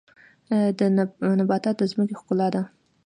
نباتات د ځمکې ښکلا ده